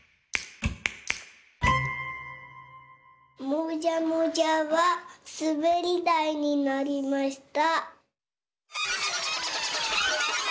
もじゃもじゃはすべりだいになりました。